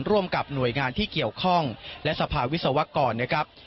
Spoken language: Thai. ร่วมกับหน่วยงานที่เกี่ยวข้องและสภาวิศวกรนะครับ